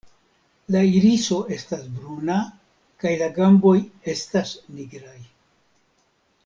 La iriso estas bruna kaj la gamboj estas nigraj.